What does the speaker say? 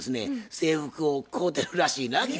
制服を買うてるらしいな君。